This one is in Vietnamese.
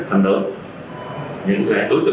phần lớn những cái đối tượng